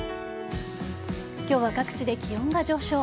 今日は各地で気温が上昇。